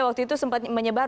waktu itu sempat menyebar